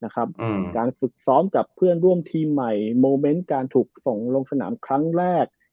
การฝึกซ้อมกับเพื่อนร่วมทีมใหม่โมเมนต์การถูกส่งลงสนามครั้งแรก